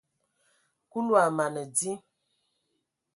Kulu a mana di.